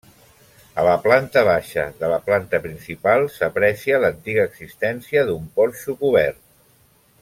A la planta baixa de la planta principal s'aprecia l'antiga existència d'un porxo cobert.